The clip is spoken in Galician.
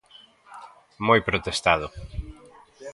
Moi protestado.